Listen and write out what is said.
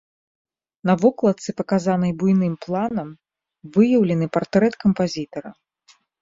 На вокладцы, паказанай буйным планам, выяўлены партрэт кампазітара.